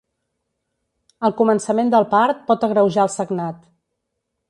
El començament del part pot agreujar el sagnat.